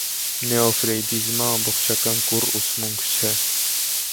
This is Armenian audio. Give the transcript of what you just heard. Նեոֆրեյդիզմը ամբողջական կուռ ուսմունք չէ։